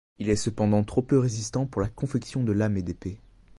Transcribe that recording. Il est cependant trop peu résistant pour la confection de lames et d'épées.